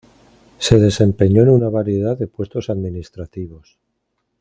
Se desempeñó en una variedad de puestos administrativos.